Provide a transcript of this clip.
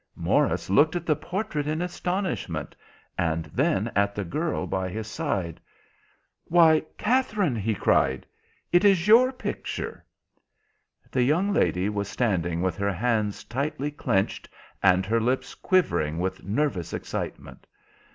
Morris looked at the portrait in astonishment, and then at the girl by his side. "Why, Katherine," he cried, "it is your picture!" The young lady was standing with her hands tightly clenched and her lips quivering with nervous excitement.